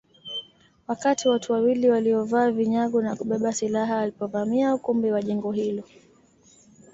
Wakati watu wawili waliovaa vinyago na kubeba silaha walipovamia ukumbi wa jengo hilo